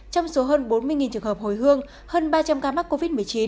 trong số hơn bốn mươi trường hợp hồi hương hơn ba trăm linh ca mắc covid một mươi chín